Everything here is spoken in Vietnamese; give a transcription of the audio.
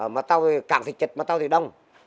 mà tàu thì cảng thì chật mà tàu thì đông